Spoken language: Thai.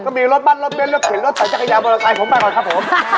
ก็มีรสบั้นรสเบ้นรสเผ็ดรสใส่จักรยาบนรถไทยผมไปก่อนครับผม